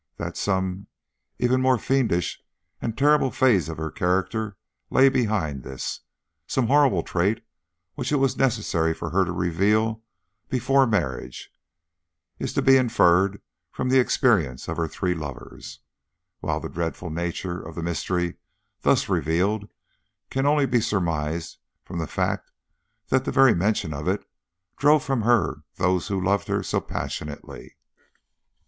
That some even more fiendish and terrible phase of character lay behind this some horrible trait which it was necessary for her to reveal before marriage is to be inferred from the experience of her three lovers, while the dreadful nature of the mystery thus revealed can only be surmised from the fact that the very mention of it drove from her those who had loved her so passionately.